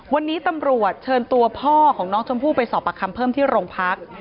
วันนี้ตำรวจเชิญตัวพ่อของน้องชมพู่ไปสอบประคำเพิ่มที่โรงพัก